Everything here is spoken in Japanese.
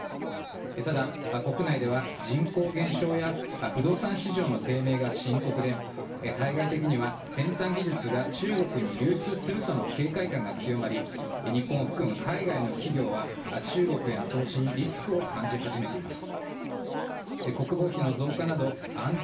ただ、国内では人口減少や不動産市場の低迷が深刻で対外的には先端技術が中国に流出するとの警戒感が強まり日本を含む海外の企業は中国への投資にリスクを感じ始めています。